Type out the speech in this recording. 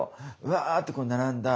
わってこう並んだ。